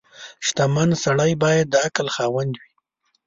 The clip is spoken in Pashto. • شتمن سړی باید د عقل خاوند وي.